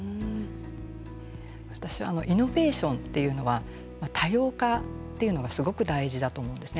私はイノベーションっていうのは多様化っていうのがすごく大事だと思うんですね。